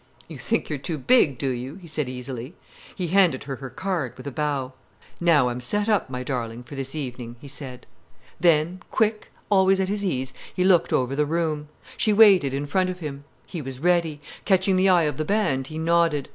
"You think you're too big, do you!" he said easily. He handed her her card, with a bow. "Now I'm set up, my darling, for this evening," he said. Then, quick, always at his ease, he looked over the room. She waited in front of him. He was ready. Catching the eye of the band, he nodded.